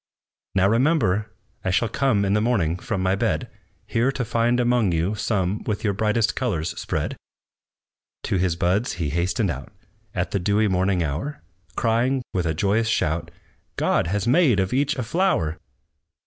"Now remember! I shall come In the morning from my bed, Here to find among you some With your brightest colors spread!" To his buds he hastened out, At the dewy morning hour, Crying, with a joyous shout, "God has made of each a flower!"